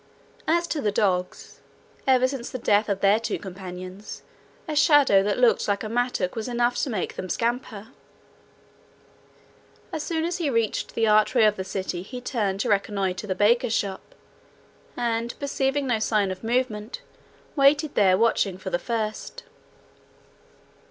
As to the dogs, ever since the death of their two companions, a shadow that looked like a mattock was enough to make them scamper. As soon as he reached the archway of the city gate he turned to reconnoitre the baker's shop, and perceiving no sign of movement, waited there watching for the first.